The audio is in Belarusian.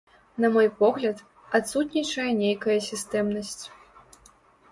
На мой погляд, адсутнічае нейкая сістэмнасць.